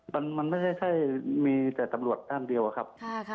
มันไม่ใช่มีแต่ตำรวจท่านเดียวอะครับ